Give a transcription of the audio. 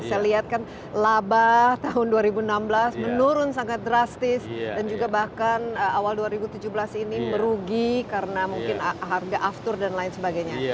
saya lihat kan laba tahun dua ribu enam belas menurun sangat drastis dan juga bahkan awal dua ribu tujuh belas ini merugi karena mungkin harga aftur dan lain sebagainya